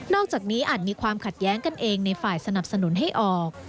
อกจากนี้อาจมีความขัดแย้งกันเองในฝ่ายสนับสนุนให้ออก